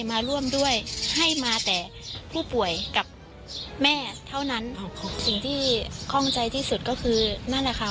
มาร่วมด้วยให้มาแต่ผู้ป่วยกับแม่เท่านั้นสิ่งที่คล่องใจที่สุดก็คือนั่นแหละค่ะ